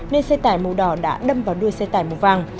nên xe tải màu đỏ đã đâm vào đuôi xe tải màu vàng